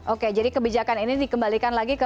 oke jadi kebijakan ini dikembalikan lagi ke